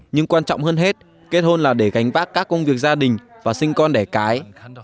nhưng quan trọng hơn hết kết hôn là để gánh vác các công việc gia đình và sinh con đẻ cái